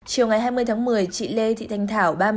chiều ngày hai mươi tháng một mươi chị lê thị thanh thảo